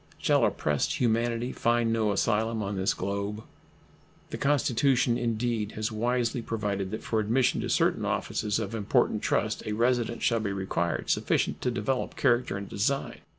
Shall oppressed humanity find no asylum on this globe? The Constitution indeed has wisely provided that for admission to certain offices of important trust a residence shall be required sufficient to develop character and design.